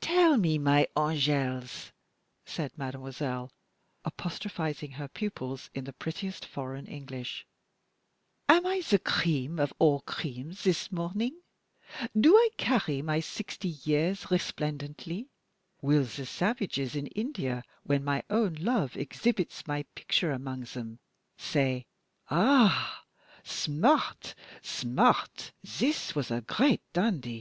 "Tell me, my angels," said mademoiselle, apostrophizing her pupils in the prettiest foreign English, "am I the cream of all creams this morning? Do I carry my sixty years resplendently? Will the savages in India, when my own love exhibits my picture among them, say, 'Ah! smart! smart! this was a great dandy?